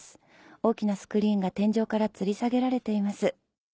大きなスクリーンが天井からつり下げられています。